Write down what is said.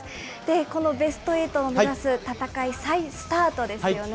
このベストエイトを目指す戦い、再スタートですよね。